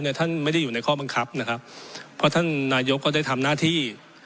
ท่านไม่ได้อยู่ในข้อบังคับนะครับเพราะท่านนายกก็ได้ทำหน้าที่